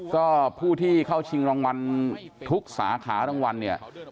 ก็ผู้ที่เข้าชิงรางวัลทุกสาขารางวัลเนี่ย